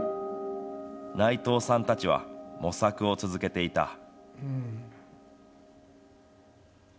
内藤さんたちは、模索を続けていた。